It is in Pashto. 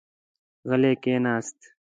غلی کېناست.